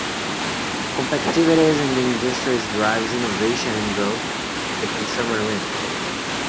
Competitiveness in the industry drives innovation and growth. The consumer wins.